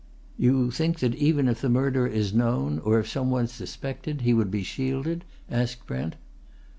"You think that even if the murderer is known, or if some one suspected, he would be shielded?" asked Brent.